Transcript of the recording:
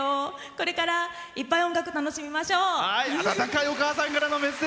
これからいっぱい音楽、楽しみましょう！